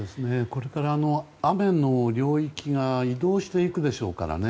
これから雨の領域が移動していくでしょうからね。